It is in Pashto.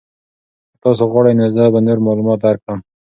که تاسو غواړئ نو زه به نور معلومات درکړم.